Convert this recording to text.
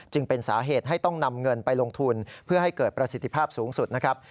จึงเป็นสาเหตุให้ต้องนำเงินไปลงทุนเพื่อให้เกิดประสิทธิภาพสูงสุดนะครับ